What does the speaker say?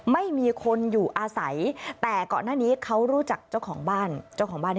ไม่มีคนอยู่อาศัยแต่เกาะหน้านี้เขารู้จักเจ้าของบ้าน